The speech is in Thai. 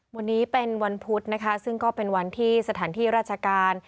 วันนี้เป็นวันพุธนะคะซึ่งก็เป็นวันที่สถานที่ราชการ